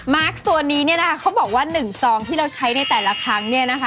มาร์คตัวนี้นะคะเขาบอกว่า๑ซองที่เราใช้ในแต่ละครั้ง